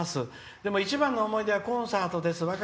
でも一番の思い出はコンサートです。